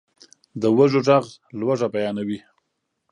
د وږو ږغ لوږه بیانوي.